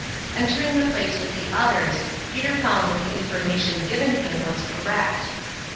Entering the place with the others, Peter found that the information given him was correct.